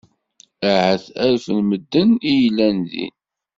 Ahat alef n medden i yellan din.